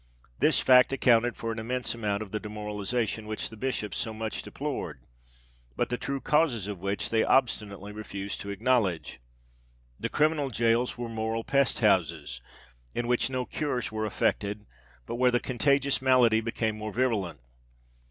This fact accounted for an immense amount of the demoralization which the Bishops so much deplored, but the true causes of which they obstinately refused to acknowledge. The criminal gaols were moral pest houses, in which no cures were effected, but where the contagious malady became more virulent.